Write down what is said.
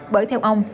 bởi theo ông